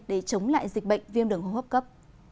để chống lại dịch bệnh viêm đường hô hấp cấp